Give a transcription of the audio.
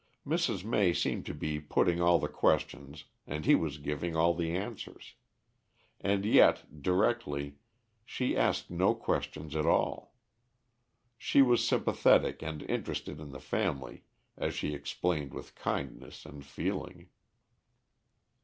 Mrs. May seemed to be putting all the questions and he was giving all the answers. And yet, directly, she asked no questions at all. She was sympathetic and interested in the family, as she explained with kindness and feeling.